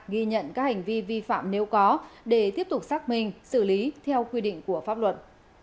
ghi nhận các hành vi vi phạm nếu có để tiếp tục xác minh xử lý theo quy định của pháp luật